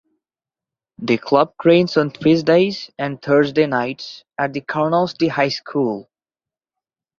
The club trains on Tuesdays and Thursday nights at the Carnoustie High School.